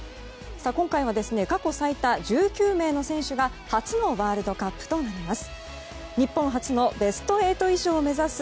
今回は過去最多、１９名の選手が初のワールドカップとなります。